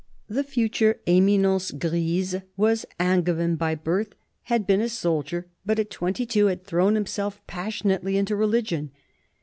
The future Eminence grise was Angevin by birth, had been a soldier, but at twenty two had thrown himself passionately into "religion."